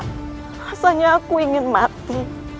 rasanya aku ingin mati